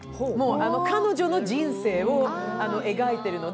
彼女の人生を描いているので。